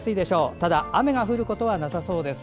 ただ、雨が降ることはなさそうです。